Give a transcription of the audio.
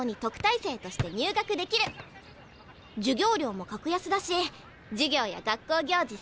授業料も格安だし授業や学校行事